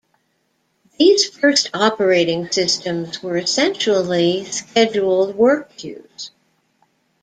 These first operating systems were essentially scheduled work queues.